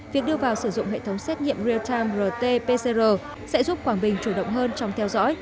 việc đưa vào sử dụng hệ thống xét nghiệm real time rt pcr sẽ giúp quảng bình chủ động hơn trong theo dõi